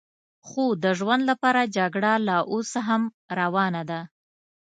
خو د ژوند لپاره جګړه لا اوس هم روانه ده.